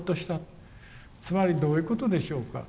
つまりどういうことでしょうか。